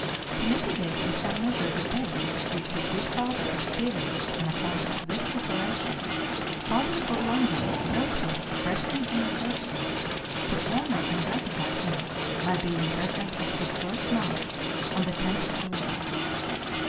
To mitigate in some measure the pain which his good father experienced on account of this separation, Father Burlando wrote him a pressing invitation to honor and gratify him by being present at his first Mass, on the 10th of July.